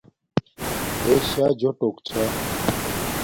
اݺ شݳ جݸٹݸک چھݳ.